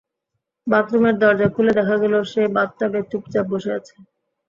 বাথরুমের দরজা খুলে দেখা গেল সে বাথটাবে চুপচাপ বসে আছে।